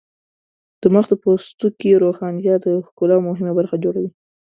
د مخ د پوستکي روښانتیا د ښکلا مهمه برخه جوړوي.